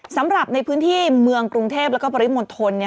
สำหรับในพื้นที่เมืองกรุงเทพแล้วก็ปริมณฑล